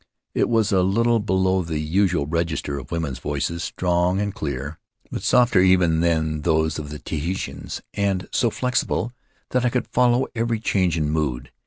It was a little below the usual register of women's voices, strong and clear, but softer even than those of the Tahitians, and so flexible that I could follow every change in mood.